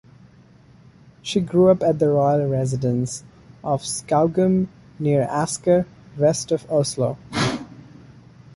She grew up at the royal residence of Skaugum near Asker, west of Oslo.